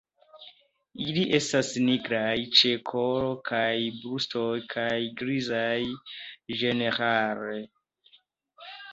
Ili estas nigraj ĉe kolo kaj brusto kaj grizaj ĝenerale.